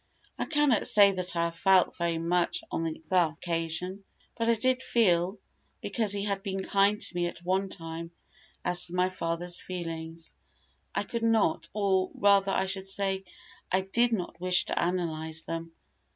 I cannot say that I felt very much on the occasion; but I did feel, because he had been kind to me at one time: as for my father's feelings, I could not or rather I should say, I did not wish to analyse them.